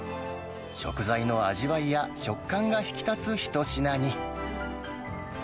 食材の味わいや食感が引き立つ一品に。